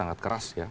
sangat keras ya